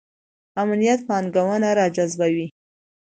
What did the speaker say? امنیت پانګونه راجذبوي